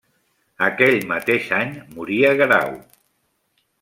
Aquell mateix any moria Guerau.